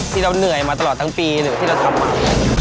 ที่เราเหนื่อยมาตลอดทั้งปีหรือที่เราทำมา